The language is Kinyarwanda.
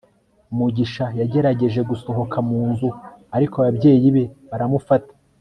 mugisha yagerageje gusohoka mu nzu, ariko ababyeyi be baramufata